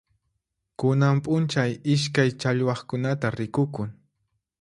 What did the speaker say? Kunan p'unchay iskay challwaqkunata rikukun.